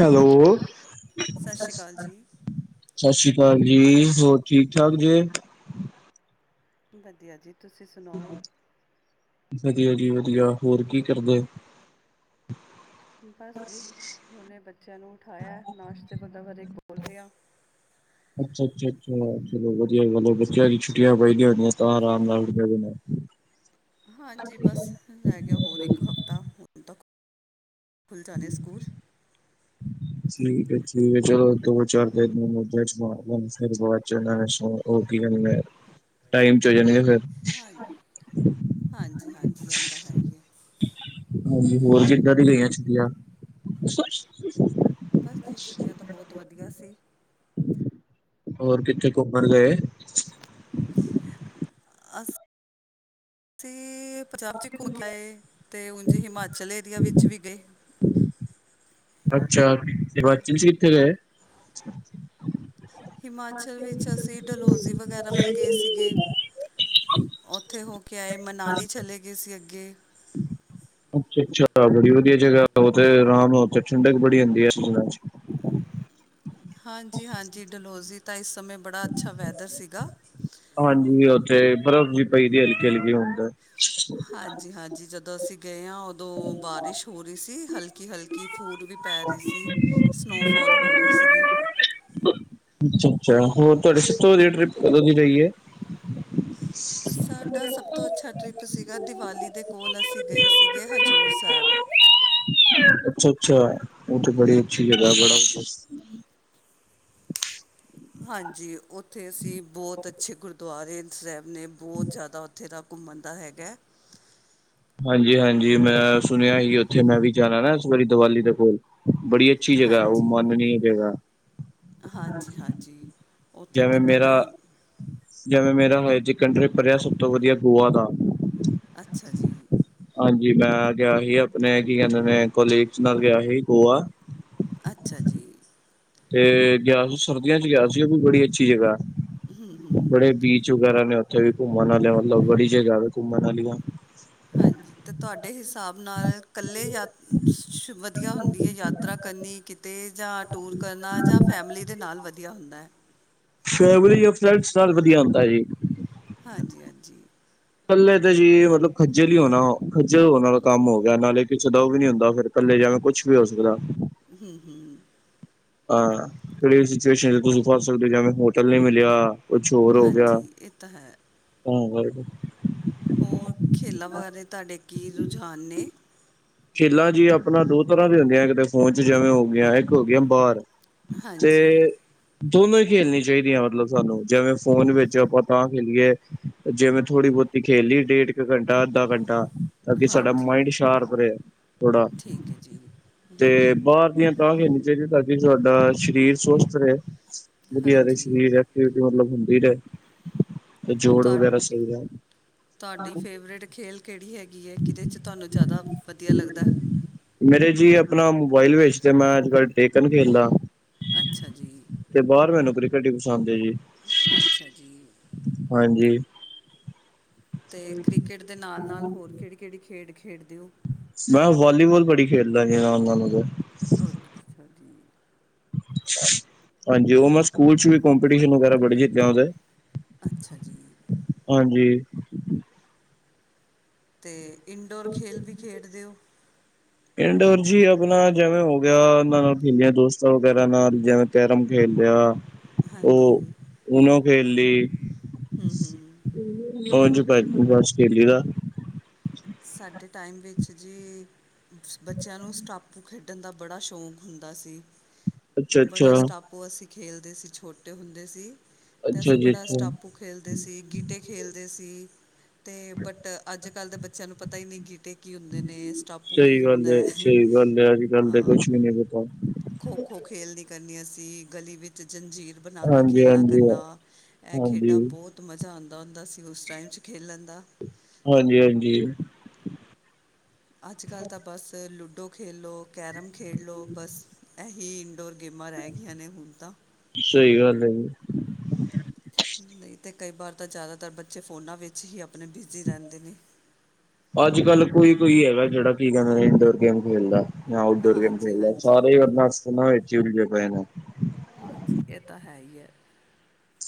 Hello. ਸਤਿ ਸ਼੍ਰੀ ਅਕਾਲ ਜੀ। ਸ਼੍ਰੀ ਅਕਾਲ ਜੀ! ਹੋਰ ਠੀਕ-ਠਾਕ ਜੇ? ਵਧੀਆ ਜੀ। ਤੁਸੀਂ ਸੁਣਾਓ ਵਧੀਆ ਜੀ ਵਧੀਆ! ਹੋਰ ਕੀ ਕਰਦੇ? ਬਸ ਜੀ ਹੁਣੇ ਬੱਚਿਆਂ ਨੂੰ ਉਠਾਇਆ, ਨਾਸ਼ਤੇ [inaudible] ਈ ਖੋਲ ਦੇਆ। ਅੱਛਾ, ਅੱਛਾ, ਅੱਛਾ! ਚਲੋ ਵਧੀਆ ਗੱਲ ਬੱਚਿਆਂ ਦੀ ਛੁੱਟੀਆਂ ਪਈਦੀਆ ਹੋਣੀਆ, ਤਾਂ ਆਰਾਮ ਨਾਲ ਉਠਦੇ ਹੋਣੇ। ਹਾਂਜੀ, ਬਸ ਰਹਿ ਗਿਆ ਹੋਰ ਇੱਕ ਹਫ਼ਤਾ ਹੁਣ ਤੱਕ ਖੁੱਲ੍ਹ ਜਾਣੇ ਸਕੂਲ। ਠੀਕ ਹੈ, ਠੀਕ! ਚਲੋ ਦੋ-ਚਾਰ ਦਿਨ ਮੌਜਾ 'ਚ ਮਾਰ ਲੈਣ ਫੇਰ ਬਾਅਦ ਚੋ ਇਹਨਾ ਨੇ ਸੋ ਉਹ ਕੀ ਕਹਿੰਦਾ, ਟਾਈਮ 'ਚ ਹੋ ਜਾਣਗੇ ਫੇਰ। ਹਾਂ, ਹਾਂਜੀ-ਹਾਂਜੀ, ਇਹ ਤਾਂ ਹੈ ਹੀ ਹੈ। ਹਾਂਜੀ, ਹੋਰ ਕਿੱਦਾਂ ਦੀ ਗਈਆਂ ਛੁਟੀਆਂ? ਬਸ ਜੀ ਛੁੱਟੀਆਂ ਤਾਂ ਬਹੁਤ ਵਧੀਆ ਸੀ। ਹੋਰ ਕਿੱਥੇ ਘੁੰਮਣ ਗਏ? ਅਸ ਸੀ ਪੰਜਾਬ 'ਚ ਘੁੰਮ ਕੇ ਆਏ ਤੇ ਉਂਝ ਹਿਮਾਚਲ ਏਰੀਆ ਵਿੱਚ ਵੀ ਗਏ। ਅੱਛਾ, ਹਿਮਾਚਲ 'ਚ ਕਿੱਥੇ ਗਏ? ਹਿਮਾਚਲ ਵਿੱਚ ਅਸੀਂ ਡਲੌਜ਼ੀ ਵਗੈਰਾ ਵੱਲ ਗਏ ਸੀਗੇ। ਉੱਥੇ ਹੋ ਕੇ ਆਏ, ਮਨਾਲੀ ਚਲੇ ਗਏ ਸੀ ਅੱਗੇ। ਅੱਛਾ-ਅੱਛਾ! ਬੜੀ ਵਧੀਆ ਜਗ੍ਹਾ ਓ ਤੇ, ਆਰਾਮ ਨਾਲ ਉੱਥੇ ਠੰਡਕ ਬੜੀ ਹੁੰਦੀ ਹੈ ਐਨਾ ਦਿਨਾਂ 'ਚ। ਹਾਂਜੀ, ਹਾਂਜੀ! ਡਲੌਜ਼ੀ ਤਾਂ ਇਸ ਸਮੇਂ ਬੜਾ ਅੱਛਾ ਵੈਦਰ ਸੀਗਾ। ਹਾਂਜੀ, ਉੱਥੇ ਬਰਫ਼ ਵੀ ਪਈਦੀ ਹਲਕੀ-ਹਲਕੀ ਹੁਣ ਤੇ। ਹਾਂਜੀ-ਹਾਂਜੀ! ਜਦੋਂ ਅਸੀਂ ਗਏ ਹਾਂ, ਉਦੋਂ ਉਦੋਂ ਬਾਰਿਸ਼ ਹੋ ਰਹੀ ਸੀ, ਹਲਕੀ-ਹਲਕੀ ਫੂਡ ਵੀ ਪੈ ਰਹੀ ਸੀ। ਸਨੋਫੋਲ ਹੋ ਰਹੀ ਸੀਗੀ। ਅੱਛਾ-ਅੱਛਾ! ਹੋਰ ਤੁਹਾਡੀੇ ਸਭ ਤੋਂ ਵਧੀਆ ਟ੍ਰਿਪ ਕਦੋਂ ਦੀ ਰਹੀ ਹੈ? ਸਾਡਾ ਸਭ ਤੋਂ ਅੱਛਾ ਟਰਿੱਪ ਸੀਗਾ ਦਿਵਾਲੀ ਦੇ ਕੋਲ ਅਸੀਂ ਗਏ ਸੀਗੇ ਹਜ਼ੂਰ ਸਾਹਿਬ। ਅੱਛਾ-ਅੱਛਾ! ਉ ਤੇੇ ਬੜੀ ਅੱਛੀ ਜਗ੍ਹਾ ਬੜਾ ਹਾਂਜੀ, ਉੱਥੇ ਅਸੀਂ ਬਹੁਤ ਅੱਛੇ ਗੁਰ ਦੁਆਰੇ 'ਚ ਰਹਿਣੇ, ਬਹੁਤ ਜ਼ਿਆਦਾ ਉੱਥੇ ਦਾ ਘੁੰਮਣ ਦਾ ਹੈਗਾ। ਹਾਂਜੀ-ਹਾਂਜੀ! ਮੈਂ ਸੁਣਿਆ ਈ ਓਥੇ, ਮੈਂ ਵੀ ਜਾਣਾ ਨਾ ਦੀਵਾਲੀ ਦੇ ਕੋਲ। ਬੜੀ ਅਛੀ ਜਗ੍ਹਾ ਉਹ, ਹਾਂਜੀ, ਮਾਨਨੀਯ ਜਗ੍ਹਾ! ਹਾਂਜੀ-ਹਾਂਜੀ, ਉਥੇ ਤੇ ਪਤਾ ਹੀ- ਜਿਵੇ ਮੇਰਾ ਹਜੇ ਤਕ ਸਭ ਤੋਂ ਵਧੀਆ ਟ੍ਰਿਪ ਰਿਆ ਗੋਆ ਦਾ। ਅਛਾ ਜੀ। ਹਾਂਜੀ, ਮੈ ਗਿਆ ਹੀ ਆਪਣੇ ਕੀ ਕੇਹਂਦੇ ਨੇ ਕੋਲੀਗਜ਼ ਨਾਲ ਗਿਆ ਸੀ ਗੋਆ ਅਛਾ ਜੀ। ਤੇ ਗਿਆ ਸੀ, ਸਰਦੀਆਂ 'ਚ ਗਿਆ ਸੀ, ਉਹ ਵੀ ਬੜੀ ਅਛੀ ਜਗ੍ਹਾ, ਬੜੇ ਬੀਚ 'ਚ ਵਗੈਰਾ ਨੇ, ਉੱਥੇ ਵੀ ਘੁੰਮਣ ਵਾਲੀਆਂ, ਮਤਲਬ ਬੜੀ ਜਗ੍ਹਾ ਘੁੰਮਣ ਵਾਲੀਆਂ। ਹਾਂਜੀ, ਅਤੇ ਤੁਹਾਡੇ ਹਿਸਾਬ ਨਾਲ ਇਕਲੇ ਯਾਤ ਵਧੀਆ ਹੁੰਦੀ ਹੈ ਯਾਤ- ਤਰਾ ਕਰਨੀ ਕਿਤੇ ਜਾਂ ਟੂਰ ਕਰਨਾ, ਜਾਂ ਫੈਮਿਲੀ ਦੇ ਨਾਲ ਵਧੀਆ ਹੁੰਦਾ ਹੈ? ਫੈਮਲੀ ਜਾਂ ਫ੍ਰੈਂਡਸ ਨਾਲ ਵਧੀਆ ਹੁੰਦਾ ਜੀ। ਹਾਂਜੀ-ਹਾਂਜੀ। ਕਲੇ ਤਾਂ ਜੀ, ਮਤਲਬ ਖ਼ਜਲ ਹੀ ਹੋਣਾ, ਖ਼ਜਲ ਹੋਣ ਵਾਲਾ ਕਮ ਹੋ ਗਿਆ, ਨਾਲੇ- ਕਿਸੇ ਦਾ ਓ ਵੀ ਨੀ ਹੁੰਦਾ ਫੇਰ ਇਕਲੇ ਜਾਣਾ ਕੁਛ ਵੀ ਹੋ ਸਕਦੈ। ਹੂੰ-ਹੂੰ। ਹਾਂ ਕੇੜੀ ਸਿਚੁਏਸ਼ਨ ਏ ਤੁਸੀ ਫਸ ਸਕਦੇ ਓ ਜਿਵੇ ਹੋਟਲ ਨੀ ਮਿਲੇਆ। ਕੁਛ ਹੋਰ ਹੋ ਗੇਆ ਹਾਂਜੀ ਇਹ ਤਾਂ ਹੈ [unintelligible] ਹੋਰ ਖੇਲਾਂ ਬਾਰੇ ਤੁਆਡੇ ਕੀ ਰੁਝਾਨ ਨੇ ਖੇਲਾ ਜੀ ਆਪਣਾ ਦੋ ਤਰਾਂ ਦੇ ਹੁੰਦੀਆਂ ਇਕ ਤੇ ਫੋਨ 'ਚ ਜਵੇ ਹੋ ਗਈਆਂ ਇਕ ਹੋ ਗੇਆ ਬਾਰ- ਤੇ, ਹਾਂਜੀ ਦੋਨੋ ਈ ਖੇਲਣੀ ਚਾਈਦੀਆਂ ਮਤਲਬ ਸਾਨੂੰ ਜਿਵੇ ਫੋਨ ਵਿਚ ਆਪਾ ਤਾਂ ਖੇਲੀਏ, ਜਿਵੇ ਥੋੜੀ ਬਹੁਤੀ ਖੇਲ ਲਈ ਡੇਢ ਕੁ ਘੰਟਾ, ਅੱਧਾ ਘੰਟਾ ਤਾ ਕਿ ਸਾਡਾ ਹਾਂਜੀ ਮਾਇੰਡ ਸ਼ਾਰਪ ਰਏ ਥੋੜਾ, ਠੀਕ ਹੈ ਜੀ ਹੂੰ ਤੇ ਹੂੰ ਬਾਰ ਦੀਆ ਤਾਂ ਖੇਲਨੀ ਚਾਈਦੀਆਂ ਤਾਂ ਕਿ ਤੁਹਾਡਾ ਸ਼ਰੀਰ ਸਵਸਥ ਰਹੇ ਵਧੀਆ ਦੇ ਹਾਂਜੀ ਸਰੀਰ ਐਕਟੀਵਿਟੀ ਮਤਲਬ ਹੁੰਦੀ ਰਏ ਤੇ ਜੋੜ ਤੁਹਾ ਵਗੈਰਾ ਸਈ ਹੈਣ। ਤੁਹਾਡੀ ਫੇਵਰੇਟ ਖੇਲ ਕੇੜੀ ਹੈਗੀ ਐ, ਕਿਦੇ 'ਚ ਤੁਆਨੂੰ ਜਿਆਦਾ ਵਧੀਆ ਲਗਦੈ ਮੇਰੇ ਜੀ ਆਪਨਾ ਮੋਬਾਈਲ ਵਿਚ ਤੇ ਮੈ ਅਜ-ਕਲ ਟੇਕਣ ਖੇਲਦਾ ਅੱਛਾ ਜੀ ਤੇ ਬਾਰ ਮੈਨੂੰ ਕ੍ਰਿਕੇਟ ਈ ਪਸੰਦ ਐਜੀ ਅੱਛਾ ਜੀ ਹਾਂਜੀ। ਤੇ ਕ੍ਰਿਕੇਟ ਦੇ ਨਾਲ-ਨਾਲ ਹੋਰ ਕੇੜੀ-ਕੇੜੀ ਖੇਡ ਖੇਡਦੇ ਓ। ਮੈ ਵਾਲੀਵਾਲ ਬੜੀ ਖੇਡਦਾ ਸੀ ਨਾਲੋਂ ਤੇ। ਓਤ ਕੇ ਖਾਦੀ। ਹਾਂਜੀ ਓਹ ਮੈ ਸਕੂਲ 'ਚ ਵੀ ਕਪਟੀਸ਼ਨ ਵਗੈਰਾ ਬੜੇ ਜਿੱਤਿਆਂ ਦੈ ਅਛਾ ਜੀ। ਹਾਂਜੀ। ਤੇ ਇਨਡੋਰ ਖੇਲ ਵੀ ਖੇਡਦੇ ਓ ਇਨਡੋਰ ਜੀ ਆਪਣਾ ਜਿਵੇ ਹੋ ਗੇਆ ਉਨਾ ਨਾਲ ਖੇਲੀਆਂ ਦੋਸਤਾਂ ਵਗੈਰਾ ਨਾਲ ਜਿਵੇ ਕੈਰਮ ਖੇਲਿਆ ਹਾਂਜੀ ਲਈ ਹੂੰ-ਹੂੰ। ਓ ਏਂਝ ਪਾਯਾ ਆਸਟ੍ਰੇਲੀਆ ਦਾ। ਸਾਡੇ ਟਾਈਮ ਦੇ ਇਚ ਜੀ ਬੱਚੇਆਂ ਨੂੰ ਸਟਾਪੂ ਖੇਡਣ ਦਾ ਬੜਾ ਸ਼ੋਕ ਹੁੰਦਾ ਸੀ- ਅੱਛਾ ਬੜਾ ਅੱਛਾ ਸਟਾਪੂ ਅਸੀ ਖੇਲਦੇ ਸੀ ਛੋਟੇ ਹੁੰਦੇ ਸੀ, ਤੇ ਅੱਛਾ ਅਸੀ ਜੀ ਬੜਾ ਅੱਛਾ ਸਟਾਪੂ ਖੇਲਦੇ ਸੀ ਗੀਟੇ ਖੇਲਦੇ ਸੀ, ਤੇ ਬਟ ਅੱਜ-ਕਲ ਦੇ ਬੱਚੇ- ਸਾਨੂੰ ਪਤਾ ਈ ਨੀ ਗੀਟੇ ਕੀ ਹੁੰਦੇ ਨੇ ਸਟਾਪੂ ਕੀ ਸਹੀ ਗੱਲ ਹੈ ਹੁੰਦੈ, ਸਹੀ ਗੱਲ ਹੈ ਅੱਜ ਕੱਲ ਤਾਂ ਹਾਂ‌। ਕੁਛ ਵੀ ਨਹੀਂ ਪਤਾ ਖੋ-ਖੋ ਖੇਲਣੀ ਕਰਨੀ ਅਸੀ ਗਲੀ ਵਿਚ ਜੰਜੀਰ ਬਣਾ ਕੇ ਹਾਂਜੀ ਖੇਲਣਾ ਹਾਂਜੀ ਕਰਨਾ ਐ ਹਾਂਜੀ ਖੇਡਾਂ ਬਹੋਤ ਮਜ਼ਾ ਆਂਦਾ ਹੁੰਦਾ ਸੀ ਉਸ ਟਾਈਮ 'ਚ ਖੇਲਣ ਦਾ ਹਾਂਜੀ-ਹਾਂਜੀ। ਅਜ-ਕੱਲ ਤਾਂ ਬਸ ਲੂਡੋ ਖੇਲ ਲੋ ਕੈਰਮ ਖੇਲ ਲੋ ਬਸ। ਐਹੀ ਇਨਡੋਰ ਗੇਮਾਂ ਰੈਹ ਗਈਆਂ ਨੇ ਹੁਣ ਤਾਂ। ਸਈ ਗੱਲ ਐ ਜੀ। ਨਈ ਤੇ ਕਈ ਵਾਰ ਤਾਂ ਜ਼ਿਆਦਾਤਰ ਬੱਚੇ ਫੋਨਾਂ ਵਿੱਚ ਈ ਆਪਣੇ ਬਿਜ਼ੀ ਰੈੰਦੇ ਨੇ। ਅੱਜ-ਕੱਲ੍ ਕੋਈ-ਕੋਈ ਹੈਗਾ ਜੇਹੜਾ ਕੀ ਕੈੰਦੇ ਨੇ ਇੰਡੋਰ ਗੇਮ ਖੇਲਦਾ। ਊਟਡੋਰ ਗੇਮ ਹਾਂਜੀ ਖੇਲਦੈ ਹਾਂਜੀ ਸਾਰੇ ਈ ਅਪਨਾ ਫੋਨਾ ਵਿਚ ਈ ਉਲਝੇ ਪਏ ਨੇ। ਹਾਂਜੀ ਏਹ ਤਾਂ ਹੈ ਈ ਐ।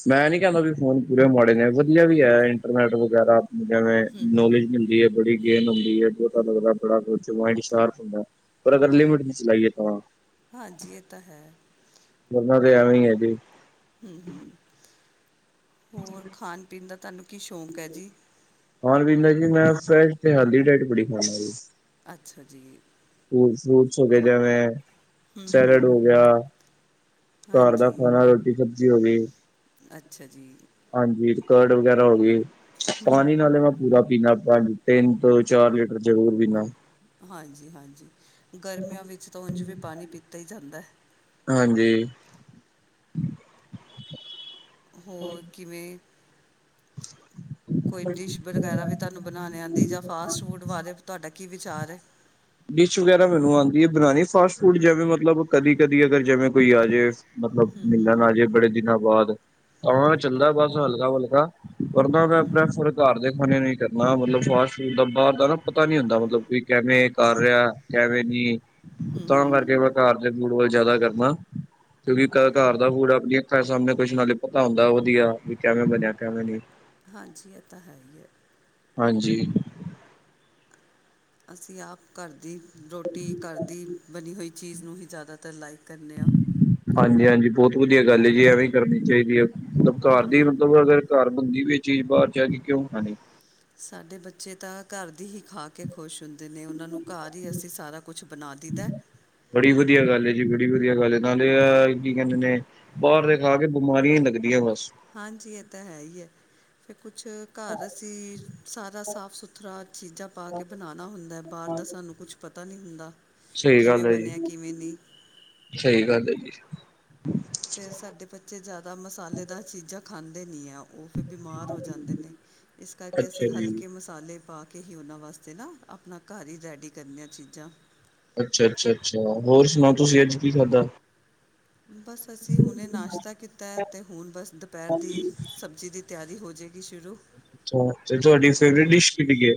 ਮੈਂ ਐ ਨੀ ਕੈੰਦਾ ਵੀ ਫੋਨ ਪੂਰੇ ਮਾਡੇਨੇ ਹੈ ਵਧੀਆ ਵੀ ਐ ਇੰਟਰਨੈਟ ਵਗੈਰਾ। ਜਿਵੇਂ ਨੌਲੇਜ ਮਿਲਦੀ ਏ ਬੜੀ। ਗੇਨ ਹੁੰਦੀ ਹੈ ਬਹੁਤਾ ਲੱਗਦਾੜਾ ਮਾਇਂਢ ਸਾ਼ਰਪ ਹੁੰਦਾ ਪਰ ਅਗਰ ਲਿਮਟ ਦੀ ਚਲਾਈਏ ਤਾਂ। ਹਾਂਜੀ, ਏ ਤਾਂ ਹੈ। ਬਨਨਾ ਤੇ ਐਂਵੇ ਹੈਜੀ। ਹੂੰ-ਹੂੰ, ਹੋਰ ਖਾਣ-ਪੀਣ ਦਾ ਤੁਹਾਨੂੰ ਕੀ ਸ਼ੌਕ ਹੈ ਜੀ? ਖਾਣ-ਪੀਣ ਦਾ ਇੰਜ ਹੈ ਕਿ ਮੈ ਹੇਲਦੀ ਢਾਇਟ ਬੜੀ ਖਾਂਦਾ ਜੀ। ਅੱਛਾ ਜੀ। ਔਰ ਫਰੂਟਸ ਹੋਗੇ ਜਿਵੇਂ ਹੂੰ ਸੈਲਢ ਹੂੰ ਹੋ ਗਿਆ, ਘਰ ਦਾ ਹਾਂਜੀ ਖਾਣਾ ਰੋਟੀ-ਸਬਜ਼ੀ ਹੋ ਗਈ। ਅੱਛਾ ਜੀ। ਹਾਂਜੀ, ਕਰਢ ਵਗੈਰਾ ਹੋ ਗਈ ਪਾਣੀ ਨਾਲੇ ਮੈਂ ਪੂਰਾ ਪੀਨਾ, ਤਿੰਨ ਤੋਂ ਚਾਰ ਲੀਟਰ ਜ਼ਰੂਰ ਪੀਨਾ। ਹਾਂਜੀ-ਹਾਂਜੀ, ਗਰਮੀਆਂ ਵਿੱਚ ਤਾਂ ਉਂਝ ਵੀ ਪਾਣੀ ਪੀਤਾ ਹੀ ਜਾਂਦਾ। ਹਾਂਜੀ। ਹੋਰ ਕਿਵੇਂ? [unintelligible] ਕੋਈ ਡਿਸ਼ ਵਗੈਰਾ ਵੀ ਤੁਹਾਨੂੰ ਬਣਾਣੀ ਆਂਦੀ ਜਾਂ ਫਾਸਟ-ਫੂਡ ਬਾਰੇ ਤੁਹਾਡਾ ਕੀ ਵਿਚਾਰ ਹੈ? ਡਿਸ਼ ਵਗੈਰਾ ਮੈਨੂੰ ਆਂਦੀ ਹੈ ਬਣਾਉਣੀ ਫਾਸਟ-ਫੂਡ, ਜਿਵੇਂ ਮਤਲਬ ਕਦੀ-ਕਦੀ ਅਗਰ ਜਿਵੇਂ ਕੋਈ ਆ ਜਾਵੇ। ਮਤਲਬ ਹੂੰ ਹੂੰ ਮਿਲਣ ਆਜੇ ਬੜੇ ਦਿਨਾਂ ਬਾਦ ਤਾਂ ਚੱਲਦਾ ਬਸ ਹਲਕਾ-ਹਲਕਾ। ਪੜਦਾ ਮੈ ਆਪਣੇ ਆਪ ਫਰਕ ਘਰ ਦੇ ਖਾਣੇ ਨੇ ਕਰਨਾ ਮਤਲਬ ਫਾਸਟ-ਫੂਡ ਦਾ ਬਾਹਰ ਦਾ ਨਾ ਪਤਾ ਨੀ ਹੁੰਦਾ ਮਤਲਬ ਕੋਈ ਕਿਵੇਂ ਕਰ ਰਿਹਾ। ਕਿਵੇਂ ਨੀ, ਹੂੰ ਤਾਂ ਹੂੰ ਕਰਕੇ ਮੈਂ ਘਰ ਦੇ ਫੂਡ ਵੱਲ ਜ਼ਿਆਦਾ ਕਰਨਾ। ਕਿਉਂਕਿ ਘਰ ਦਾ ਫੂਡ ਆਪਣੀ ਆਂੱਖਾਂ ਸਾਮਣੇ ਕੁਛ ਨਾਲ ਹੀ ਪਤਾ ਹੁੰਦਾ ਵਧੀਆ ਵੀ ਕਿਵੇਂ ਬਣਿਆ। ਕਿਵੇਂ ਨਹੀਂ। ਹਾਂਜੀ, ਇਹ ਤਾਂ ਹੈ ਹੀ ਹੈ। ਹਾਂਜੀ। ਅਸੀਂ ਆਪ ਘਰ ਦੀ ਰੋਟੀ, ਘਰ ਦੀ ਬਣੀ ਹੋਈ ਚੀਜ਼ ਨੂੰ ਹੀ ਜ਼ਿਆਦਾਤਰ ਲਾਈਕ ਕਰਦੇ ਹਾਂ। ਹਾਂਜੀ-ਹਾਂਜੀ, ਬਹੁਤ ਵਧੀਆ ਗੱਲ ਹੈ ਜੀ ਐਵੇਂ ਕਰਨੀ ਚਾਹੀਦੀ ਹੈ ਮਤਲਬ ਘਰ ਦੀ ਮਤਲਬ ਅਗਰ ਘਰ ਬੰਦੀ ਪਈ ਚੀਜ਼ ਬਾਹਰ ਜਾਕੇ ਕਿਉਂ ਖਾਨੀ? ਸਾਡੇ ਬੱਚੇ ਤਾਂ ਘਰ ਦੀ ਹੀ ਖਾਕ ਕੇ ਖੁਸ਼ ਹੁੰਦੇ ਨੇ ਉਹਨਾਂ ਨੂੰ ਘਰ ਹੀ ਅਸੀਂ ਸਾਰਾ ਕੁਛ ਬਣਾ ਦੀਦਾ। ਬੜੀ ਵਧੀਆ ਗੱਲ ਜੀ, ਬੜੀ ਵਧੀਆ ਗੱਲ ਨਾਲੇ ਕੀ ਕਹਿੰਦੇ ਨੇ ਬਾਹਰ ਦੇ ਖਾ ਕੇ ਬਿਮਾਰੀਆਂ ਹੀ ਲੱਗਦੀਆਂ ਬਸ। ਹਾਂਜੀ, ਇਹ ਤਾਂ ਹੈ ਹੀ ਹੈ ਫਿਰ ਕੁਛ ਘਰ ਅਸੀਂ ਸਾਰਾ ਸਾਫ-ਸੁਥਰਾ ਚੀਜ਼ਾਂ ਪਾ ਕੇ ਬਣਾਉਣਾ ਹੁੰਦਾ, ਬਾਹਰ ਦਾ ਸਾਨੂੰ ਕੁਛ ਪਤਾ ਨੀ ਹੁੰਦਾ ਸਹੀ ਕਿਵੇਂ ਗੱਲ ਹੈ ਬਣਿਆ ਜੀ ਕਿਵੇਂ ਨਹੀਂ? ਸਹੀ ਗੱਲ ਹੈ ਜੀ। ਫਿਰ ਸਾਡੇ ਬੱਚੇ ਜ਼ਿਆਦਾ ਮਸਾਲੇਦਾਰ ਚੀਜ਼ਾਂ ਖਾਂਦੇ ਨਹੀਂ ਹੈ। ਉ ਫਿਰ ਬਿਮਾਰ ਹੋ ਜਾਂਦੇ ਨੇ ਇਸ ਕਰਕੇ ਅੱਛਾ ਅਸੀਂ ਜੀ ਹਲਕੇ ਮਸਾ ਸਾਲੇ ਪਾ ਕੇ, ਹੀ ਉਹਨਾਂ ਵਾਸਤੇ ਨਾ ਆਪਣਾ ਘਰ ਹੀ ਰੈਡੀ ਕਰਨੇਆਂ ਚੀਜ਼ਾਂ। ਅੱਛਾ-ਅੱਛਾ-ਅੱਛਾ, ਹੋਰ ਸੁਣਾਓ ਤੁਸੀਂ ਅੱਜ ਕੀ ਖਾਧਾ? ਬਸ ਅਸੀਂ ਹੁਣੇ ਨਾਸ਼ਤਾ ਕੀਤਾ ਤੇ ਹੁਣ ਬਸ ਦੁਪਹਿਰ ਦੀ ਸਬਜ਼ੀ ਦੀ ਤਿਆਰੀ ਹੋ ਜਾਏਗੀ ਸ਼ੁਰੂ। ਤੇ ਤੁਹਾਡੀ ਫੇਵਰੇਟ ਡਿਸ਼ ਕਿਹੜੀ ਹੈ?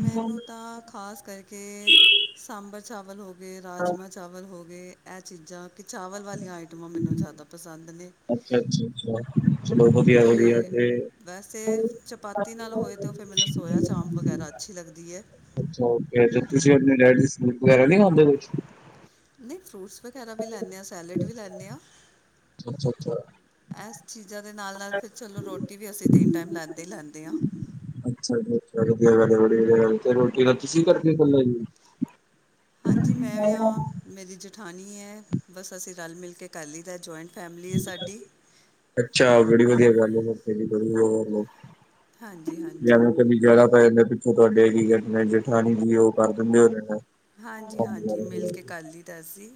ਮੈਨੂੰ ਤਾਂ ਖ਼ਾਸ ਕਰਕੇ ਸਾਂਬਰ ਚਾਵਲ ਹੋ ਗਏ ਰਾਜਮਾ ਚਾਵਲ ਹੋ ਗਏ ਇਹ ਚੀਜ਼ਾਂ ਕਿ ਚਾਵਲ ਵਾਲੀਆਂ ਆਈਟਮਾਂ ਮੈਨੂੰ ਜ਼ਿਆਦਾ ਪਸੰਦ ਨੇ। ਅੱਛਾ-ਅੱਛਾ-ਅੱਛਾ, ਚਲੋ ਵਧੀਆ-ਵਧੀਆ ਅਤੇ ਤੇ ਤੇ ਉ ਫਿਰ ਮਤਲਬ ਸੋਇਆ ਚਾਂਪ ਵਗੈਰਾ ਅੱਛੀ ਲੱਗਦੀ ਹੈ। ਅੱਛਾ, ਓਕੇ ਤੇ ਤੁਸੀਂ ਆਪਣੇ ਢਾਈਟਸ ਫਹੂਟਸ ਵਗੈਰਾ ਨੀ ਖਾਂਦੇ ਕੁਛ। ਨੀ ਫਰੂਟਸ ਵਗੈਰਾ ਵੀ ਲੈਂਦੇ ਹਾਂ ਸੈਲਡ ਵੀ ਲੈਂਦੇ ਹਾਂ। ਅੱਛਾ ਅੱਛਾ, ਐਸ ਚੀਜ਼ਾਂ ਦੇ ਨਾਲ-ਨਾਲ ਫਿਰ ਚਲੋ ਰੋਟੀ ਵੀ ਅਸੀਂ ਤਿੰਨ ਟਾਈਮ ਲੈਂਦੇ ਹੀ ਲੈਂਦੇ ਹਾਂ। ਅੱਛਾ ਜੀ ਅੱਛਾ, ਵਧੀਆ-ਵਧਿਆ ਤੇ ਰੋਟੀ ਨਾਲ ਤਾਂ ਤੁਸੀਂ ਕਰਕੇ ਕੱਲੇ ਯੂਜ। ਹਾਂਜੀ, ਮੈਂ ਵੀ ਹਾਂ, ਮੇਰੀ ਜੇਠਾਣੀ ਹੈ ਬਸ ਅਸੀਂ ਰਲ-ਮਿਲ ਕੇ ਕਰ ਲਇਦਾ ਜੁਆਇੰਟ ਫੈਮਿਲੀ ਹੈ ਸਾਡੀ। ਅੱਛਾ, ਬੜੀ ਵਧੀਆ ਗੱਲ ਏ ਫਿਰ ਤੇ ਬੜੀ ਵਢੀ ਹਾਂਜੀ [unintelligible] ਹਾਂਜੀ ਜਿਆਦਾਤਰ ਪਿੱਛੋਂ ਤੁਹਾਡੇ ਕੀ ਕਹਿੰਦੇ ਜੇਠਾਣੀ ਜੀ ਉ ਕਰ ਦਿੰਦੇ ਹੋਣੇ ਨੇ। ਹਾਂਜੀ-ਹਾਂਜੀ, ਮਿਲ ਕੇ ਕੱਰ ਲਇਦਾ ਅਸੀਂ।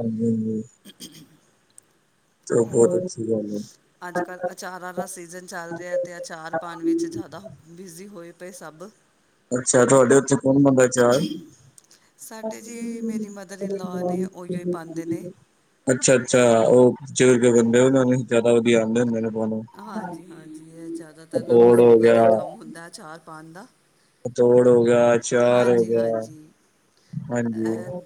ਹਾਂਜੀ-ਹਾਂਜੀ। [unintelligible] ਤੇ ਬਹੁਤ ਅੱਛੀ ਗੱਲ ਏ। ਅੱਜ-ਕੱਲ੍ਹ ਅਚਾਰਾਂ ਦਾ ਸੀਜ਼ਨ ਚੱਲ ਰਿਹਾ ਤੇ ਅਚਾਰ ਪਾਉਣ ਵਿੱਚ ਜ਼ਿਆਦਾ ਬਿਜ਼ੀ ਹੋਏ ਪਏ ਸਭ। ਹੁਣ ਅੱਛਾ, ਤੁਹਾਡੇ ਉੱਥੇ ਕੌਣ ਪਾਂਦਾ ਅਚਾਰ? ਸਾਡੇ ਜੀ ਮੇਰੀ ਮਦਰ ਇਨਲੋਅ ਨੇ ਉਹੀਓ ਹੀ ਪਾਉਂਦੇ ਨੇ। ਅੱਛਾ-ਅੱਛਾ, ਉ ਬਜ਼ੁਰਗੇ ਬੰਦੇ ਉਹਾਨੂੰ ਜਿਆਦਾ ਵਧੀਆ ਆਉਂਦੇ ਹੁੰਦੇ ਨੇ। ਪਾਣੇ। ਹਾਂਜੀ-ਹਾਂਜੀ, ਏ ਜ਼ਿਆਦਾਤਰ ਨਾ ਪਤੋੜ ਹੋ ਬਜ਼ੁਰਗਾਂ ਦਾ ਹੀ ਗਿਆ, ਕੰਮ ਹੁੰਦਾ ਹੈ ਅਚਾਰ ਪਾਣ ਦਾ। ਪਤੋੜ ਹੋ ਗਿਆ, ਚਾਰ ਹੋ ਗਿਆ। ਏ ਹਾਂਜੀ।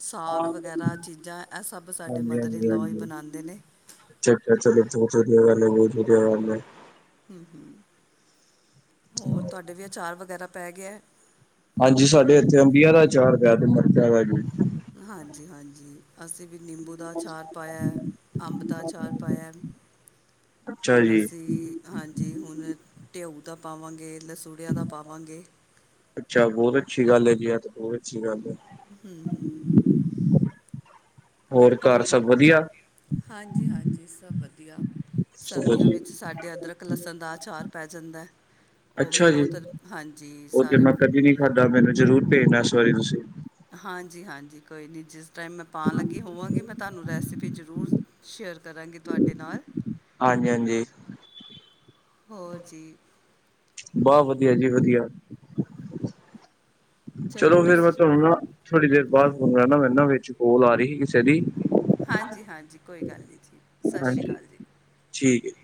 ਸਾਗ ਵਗੈਰਾ ਚੀਜ਼ਾਂ ਇਹ ਸਭ ਸਾਡੇ ਹਾਂਜੀ ਮਦਰ ਹਾਂਜੀ ਇਨ ਲੋ ਹਾਂਜੀ ਬਣਾਦੇ ਨੇ। ਅੱਛਾ ਚੱਲੋ, ਬਹੁਤ ਵਧੀਆ ਬਹੁਤ ਗਲ ਏ ਬਹੁਤ ਵਧੀਆ ਗੱਲ ਏ। ਹੂੰ -ਹੂੰ, ਹੋਰ ਤੁਹਾਡੇ ਵੀ ਅਚਾਰ ਵਗੈਰਾ ਪੈ ਗਿਆ। ਹਾਂਜੀ, ਸਾਡੇ ਇੱਥੇ ਅੰਬੀਆਂ ਦਾ ਅਚਾਰ ਪਿਆ ਤੇ ਮਰਚਾ ਦਾ ਵੀ। ਹਾਂਜੀ-ਹਾਂਜੀ। ਅਸੀਂ ਵੀ ਨਿੰਬੂ ਦਾ ਅਚਾਰ ਪਾਇਆ, ਅੰਬ ਦਾ ਅਚਾਰ ਪਾਇਆ। ਅੱਛਾ ਹੁਣ ਜੀ। ਅਸੀਂ ਹਾਂਜੀ, ਹੁਣ ਟਢਿਊ ਦਾ ਪਾਵਾਂਗੇ, ਲਸੂੜਿਆਂ ਦਾ ਪਾਵਾਂਗੇ। ਅੱਛਾ ਬਹੁਤ ਅੱਛੀ ਗੱਲ ਏ ਜੀ ਬਹੁਤ ਅੱਛੀ ਗੱਲ ਏ। ਹੂੰ-ਹੂੰ। ਘਰ ਹੋਰ। ਸਭ ਵਧੀਆ ਹਾਂਜੀ-ਹਾਂਜੀ ਸਭ ਵਧੀਆ, ਚਲੋ ਸਰਦੀਆਂ ਜੀ, ਵਿੱਚ ਸਾਡੇ ਅਦਰਕ ਲਸਣ ਦਾ ਅਚਾਰ ਪੈ ਜਾਂਦਾ ਉਹ ਵੀ ਅੱਛਾ ਬਹੁਤ ਹਾਂਜੀ ਸਾਰੇ ਤੁਹਾਡਾ ਮੈਨੂੰ ਜ਼ਰੂਰ ਭੇਜਣਾ ਇਸ ਵਾਰੀ ਤੁਸੀਂ। ਹਾਂਜੀ-ਹਾਂਜੀ, ਕੋਈ ਨੀ ਜਿਸ ਟਾਈਮ ਮੈਂ ਪਾਉਣ ਲੱਗੀ ਹੋਵਾਂਗੀ ਮੈਂ ਤੁਹਾਨੂੰ ਰੈਸਪੀ ਤੇ ਜ਼ਰੂਰ ਸ਼ੇਅਰ ਕਰਾਂਗੀ ਤੁਹਾਡੇ ਨਾਲ। ਹਾਂਜੀ-ਹਾਂਜੀ। ਹੋਰ ਜੀ। ਬਸ ਵਧੀਆ ਜੀ, ਵਧੀਆ ਚਲੋ ਫਿਰ ਮੈਂ ਤੁਹਾਨੂੰ ਨਾ ਥੋੜ੍ਹੀ ਦੇਰ ਬਾਦ ਸੁਣ ਲੈਣਾ ਨਾ ਮੈਨ ਨਾ ਵਿੱਚ ਕੋਲ ਆ ਰਹੀ ਸੀ ਕਿਸੇ ਦੀ। ਹਾਂਜੀ-ਹਾਂਜੀ, ਕੋਈ ਗੱਲ ਨੀ ਜੀ। ਸਤਿ ਸ਼੍ਰੀ ਹਾਂਜੀ, ਅਕਾਲ ਜੀ ਠੀਕ ਹੈ।